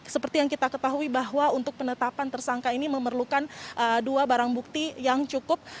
seperti yang kita ketahui bahwa untuk penetapan tersangka ini memerlukan dua barang bukti yang cukup